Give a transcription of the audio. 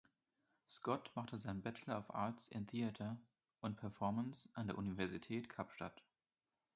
Scott machte seinen Bachelor of Arts in Theater und Performance an der Universität Kapstadt.